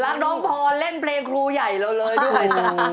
รักน้องพรเล่นเพลงครูใหญ่เราเลยด้วย